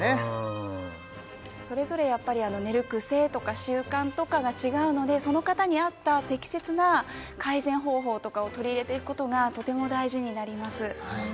うんそれぞれやっぱり寝る癖とか習慣とかが違うのでその方に合った適切な改善方法を取り入れていくことがとても大事になります